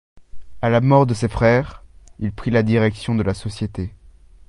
À la mort de ses frères, il prit la direction de la société.